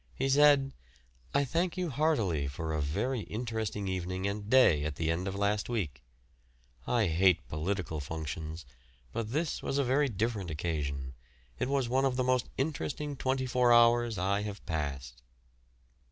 He said: "I thank you heartily for a very interesting evening and day at the end of last week. I hate political functions, but this was a very different occasion; it was one of the most interesting twenty four hours I have passed."